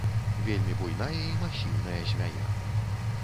Вельмі буйная і масіўная змяя.